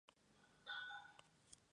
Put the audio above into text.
Alcalde de la Provincia de Sullana.